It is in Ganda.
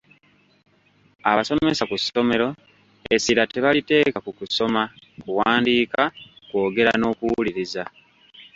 Abasomesa ku ssomero essira tebaliteeka ku kusoma, kuwandiika, kwogera n'okuwuliriza.